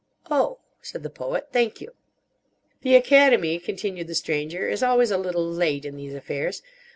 "Oh," said the Poet, "thank you." "The Academy," continued the Stranger, "is always a little late in these affairs.